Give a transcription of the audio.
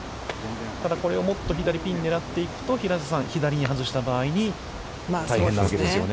ただ、これをもっと左、ピンを狙っていくと、平瀬さん、左に外した場合に大変なんですよね。